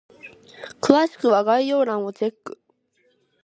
詳しくは概要欄をチェック！